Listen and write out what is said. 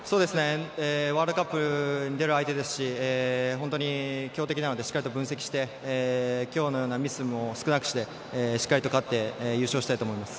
ワールドカップに出る相手ですし本当に強敵なのでしっかりと分析をして今日のようなミスも少なくしてしっかり勝って優勝したいと思います。